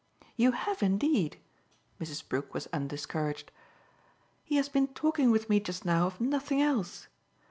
"You have indeed." Mrs. Brook was undiscouraged. "He has been talking with me just now of nothing else.